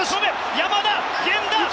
山田、源田！